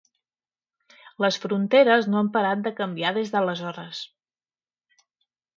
Les fronteres no han parat de canviar des d'aleshores.